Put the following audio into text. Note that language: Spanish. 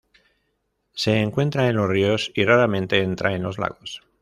Se encuentra en los ríos y raramente entra en los lagos.